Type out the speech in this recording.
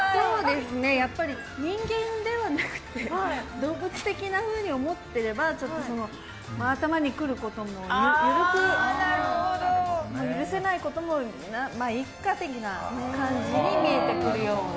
人間ではなくて動物的なふうに思っていれば頭にくることも、許せないこともまあ、いいかみたいな感じに見えてくるような。